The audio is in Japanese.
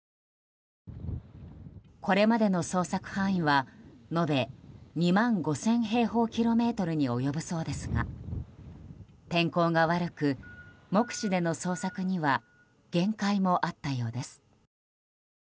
これまでの捜索範囲は、延べ２万５０００平方キロメートルに及ぶそうですが天候が悪く目視での捜索には限界もあったようです。